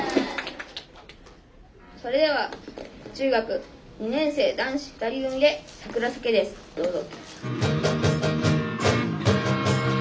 それでは中学２年生男子２人組で「サクラ咲ケ」ですどうぞ。